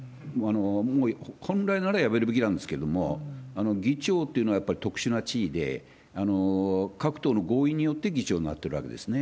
もう本来なら辞めるべきなんですけれども、議長っていうのは、やっぱり特殊な地位で、各党の合意によって議長になってるわけですね。